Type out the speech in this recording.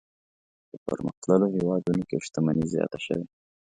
په پرمختللو هېوادونو کې شتمني زیاته شوې.